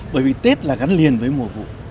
bởi vì tết là gắn liền với mùa vụ